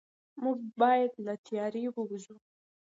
موږ باید له تیارې ووځو.